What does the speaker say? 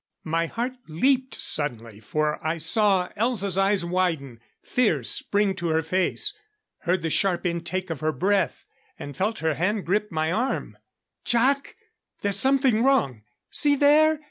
My heart leaped suddenly, for I saw Elza's eyes widen, fear spring to her face; heard the sharp intake of her breath, and felt her hand grip my arm. "Jac! There's something wrong! See there?